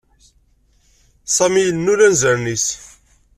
Sami yennul anzaren-is.